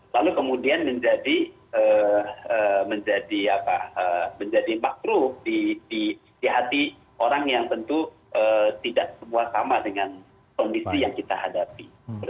lalu kemudian menjadi makruh di hati orang yang tentu tidak semua sama dengan kondisi yang kita hadapi